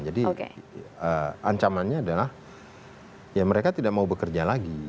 jadi ancamannya adalah mereka tidak mau bekerja lagi